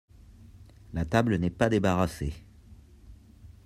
La table n’est pas débarrassée.